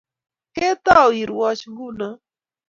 Ketou irwoch nguno